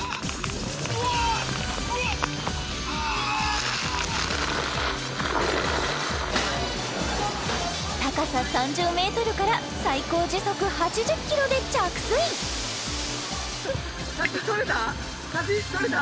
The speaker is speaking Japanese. うわー高さ３０ｍから最高時速８０キロで着水写真撮れた？